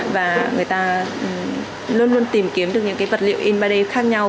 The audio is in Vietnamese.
và người ta luôn luôn tìm kiếm được những cái vật liệu in ba d khác nhau